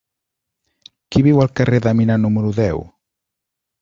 Qui viu al carrer de Mina número deu?